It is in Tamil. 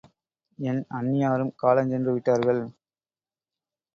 என் அண்ணியாரும் காலஞ் சென்று விட்டார்கள்.